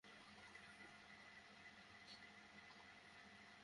সহজ ডটকম অনলাইনে বাস, লঞ্চের টিকিট এবং হোটেল বুকিংয়ের সেবা দিচ্ছে।